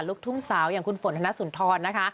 ลูกทุ่งสาวอย่างคุณฝนธนสุนทรนะคะ